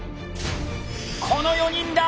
この４人だ！